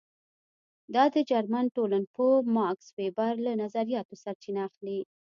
دا د جرمن ټولنپوه ماکس وېبر له نظریاتو سرچینه اخلي.